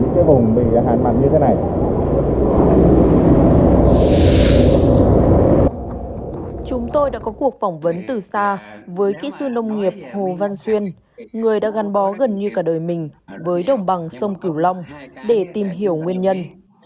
chúng tôi đã có cuộc phỏng vấn từ xa với kỹ sư nông nghiệp hồ văn xuyên người đã gắn bó gần như cả đời mình với đồng bằng sông cửu long để tìm hiểu nguyên nhân